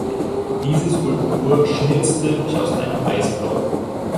Diese Skulptur schnitzte ich aus einem Eisblock.